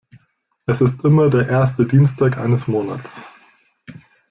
Es ist immer der erste Dienstag eines Monats.